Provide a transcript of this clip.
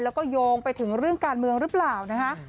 แล้วก็โยงไปถึงเรื่องการเมืองหรือเปล่านะคะ